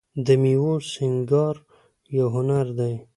د میوو سینګار یو هنر دی.